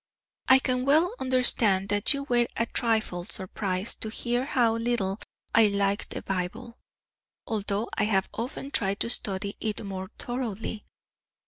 I can well understand that you were a trifle surprised to hear how little I liked the Bible, although I have often tried to study it more thoroughly.